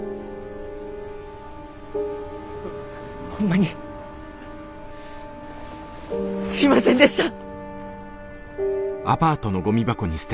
ほんまにすいませんでした。